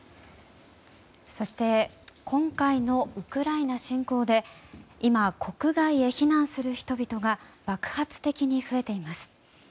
そして今回のウクライナ侵攻で今、国外へ避難する人々が爆発的に増えています。